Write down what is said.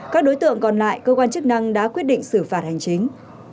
các đối tượng còn lại cơ quan chức năng đã quyết định xử phạt hành chính